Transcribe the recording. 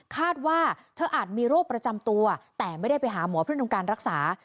คาดว่าเธออาจมีโรคประจำตัวแต่ไม่ได้ไปหาหมอเพื่อทำการรักษา